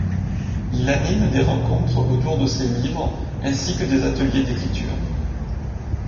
Il anime des rencontres autour de ses livres, ainsi que des ateliers d'écriture.